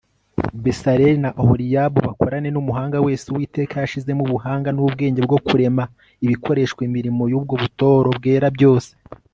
besaleli na oholiyabu bakorane n'umuhanga wese uwiteka yashizemo ubuhanga n'ubwenge bwo kurema ibikoreshwa imirimo y'ubwo butoro bwera byose